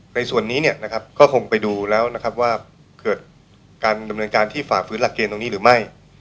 ในส่วนนี้ก็คงไปดูแล้วว่าเกิดการดำเนินการที่ฝากฟื้นหลักเกณฑ์ตรงนี้หรือไม่